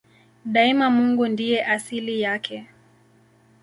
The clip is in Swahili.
Daima Mungu ndiye asili yake.